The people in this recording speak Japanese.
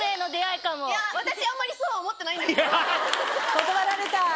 断られた。